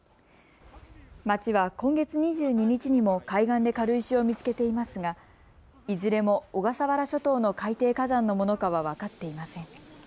町は今月２２日にも海岸で軽石を見つけていますがいずれも小笠原諸島の海底火山のものかは分かっていません。